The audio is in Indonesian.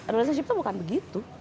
relationship tuh bukan begitu